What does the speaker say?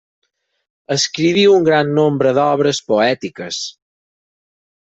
Escriví un gran nombre d'obres poètiques.